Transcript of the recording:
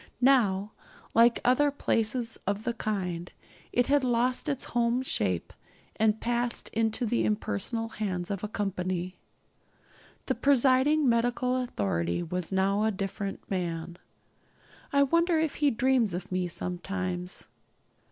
Now, like other places of the kind, it had lost its home shape, and passed into the impersonal hands of a company. The presiding medical authority was now a different man. I wonder if he dreams of me sometimes?